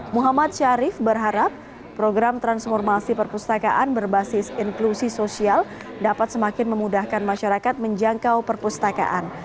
muhammad syarif berharap program transformasi perpustakaan berbasis inklusi sosial dapat semakin memudahkan masyarakat menjangkau perpustakaan